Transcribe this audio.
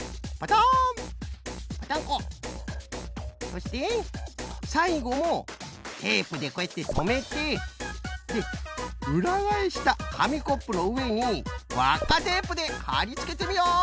そしてさいごもテープでこうやってとめてでうらがえしたかみコップのうえにわっかテープではりつけてみよう！